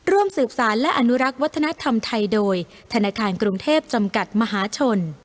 ร่วมสืบสารและอนุรักษ์วัฒนธรรมไทยโดยธนาคารกรุงเทพจำกัดมหาชน